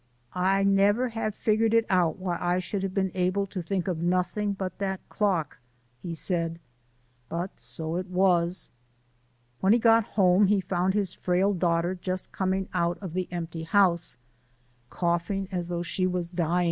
"I never have figured it out why I should have been able to think of nothing but that clock," he said, "but so it was." When he got home, he found his frail daughter just coming out of the empty house, "coughing as though she was dyin'."